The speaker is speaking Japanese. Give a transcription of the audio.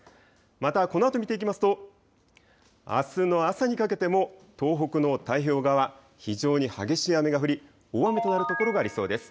またこのあと見ていきますと、あすの朝にかけても東北の太平洋側、非常に激しい雨が降り大雨となる所がありそうです。